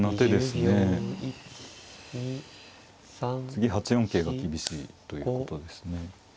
次８四桂が厳しいということですね。